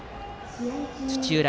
土浦